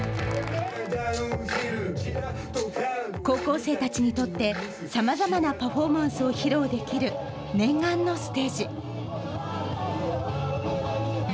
高校生たちにとって、さまざまなパフォーマンスを披露できる、念願のステージ。